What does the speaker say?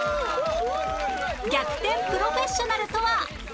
逆転プロフェッショナルとは